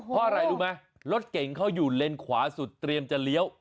เพราะอะไรรู้ไหมรถเก่งเขาอยู่เลนขวาสุดเตรียมจะเลี้ยว